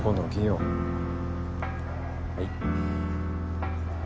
はい。